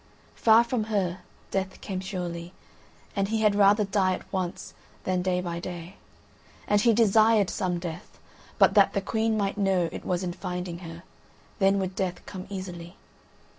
Far from her, death came surely; and he had rather die at once than day by day. And he desired some death, but that the Queen might know it was in finding her; then would death come easily.